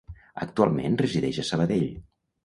Actualment resideix a Sabadell.